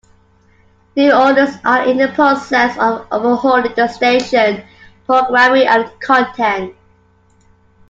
New owners are in the process of overhauling the station programming and content.